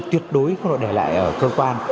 tuyệt đối không được để lại ở cơ quan